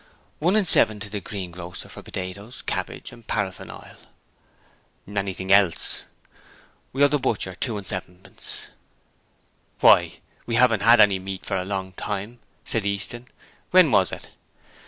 'One and seven to the greengrocer for potatoes, cabbage, and paraffin oil.' 'Anything else?' 'We owe the butcher two and sevenpence.' 'Why, we haven't had any meat for a long time,' said Easton. 'When was it?'